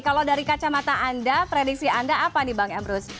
kalau dari kacamata anda prediksi anda apa nih bang emrus